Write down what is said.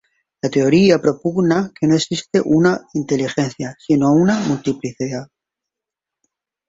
Esta teoría propugna que no existe una única inteligencia, sino una multiplicidad.